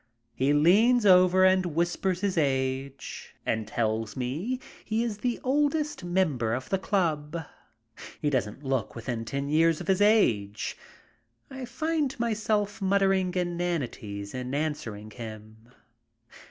He leans over and whispers his age and tells me he is the oldest member of the club. He doesn't look within ten years of his age. I find myself muttering inanities in answering him.